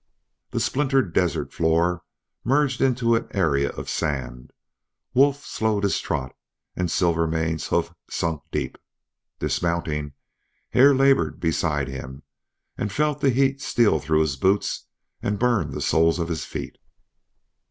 The splintered desert floor merged into an area of sand. Wolf slowed his trot, and Silvermane's hoofs sunk deep. Dismounting Hare labored beside him, and felt the heat steal through his boots and burn the soles of his feet.